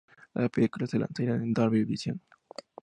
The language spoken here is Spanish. Las películas se lanzarían en Dolby Vision.